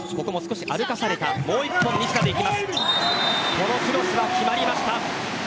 このクロスは決まりました。